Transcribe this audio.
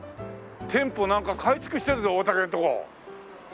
店舗なんか改築してるぞ大竹のとこ。